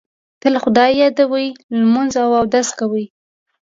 تل خدای یادوي، لمونځ اودس کوي.